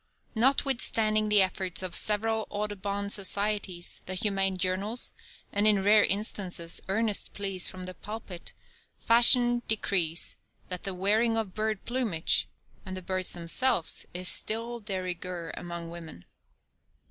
Notwithstanding the efforts of the several Audubon societies, the humane journals, and in rare instances earnest pleas from the pulpit, fashion decrees that the wearing of bird plumage, and the birds themselves, is still de rigueur among women.